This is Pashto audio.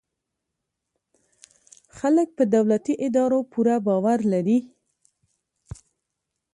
خلک په دولتي ادارو پوره باور لري.